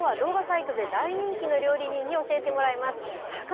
きょうは動画サイトで大人気の料理人に教えていただきます。